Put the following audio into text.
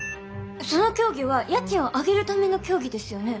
その協議は家賃を上げるための協議ですよね？